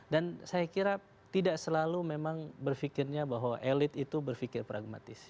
dan saya kira tidak selalu memang berfikirnya bahwa elit itu berfikir pragmatis